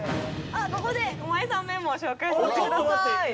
ここで駒井さんメモを紹介させてください。